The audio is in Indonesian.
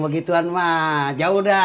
begituan mah jauh jauh